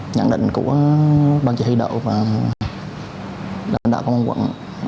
nhận định của ban chỉ huy đậu và lãnh đạo công an quận